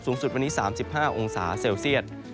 สุดวันนี้๓๕องศาเซลเซียต